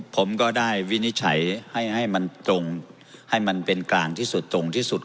ผมก็ได้วินิจฉัยให้มันตรงให้มันเป็นกลางที่สุดตรงที่สุด